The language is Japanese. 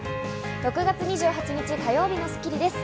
６月２８日、火曜日の『スッキリ』です。